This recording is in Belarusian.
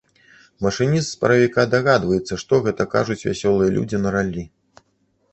Машыніст з паравіка дагадваецца, што гэта кажуць вясёлыя людзі на раллі.